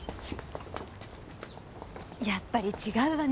やっぱり違うわね